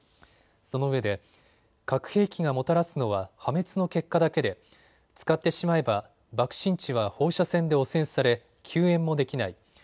そのうえで核兵器がもたらすのは破滅の結果だけで使ってしまえば爆心地は放射線で汚染され救援もできない。